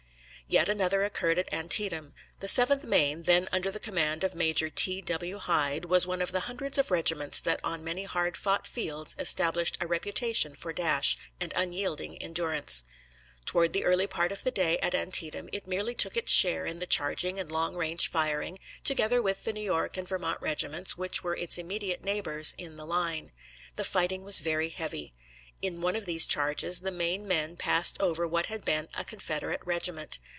Yet another occurred at Antietam. The 7th Maine, then under the command of Major T. W. Hyde, was one of the hundreds of regiments that on many hard fought fields established a reputation for dash and unyielding endurance. Toward the early part of the day at Antietam it merely took its share in the charging and long range firing, together with the New York and Vermont regiments which were its immediate neighbors in the line. The fighting was very heavy. In one of the charges, the Maine men passed over what had been a Confederate regiment.